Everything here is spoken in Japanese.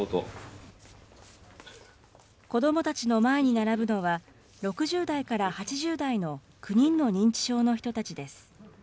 子どもたちの前に並ぶのは、６０代から８０代の９人の認知症の人たちです。